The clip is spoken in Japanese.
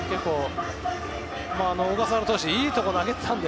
小笠原投手はいいところに投げていたので。